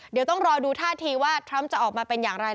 เดี๋ยวต้องรอดูท่าทีว่าทรัมป์จะออกมาเป็นอย่างไร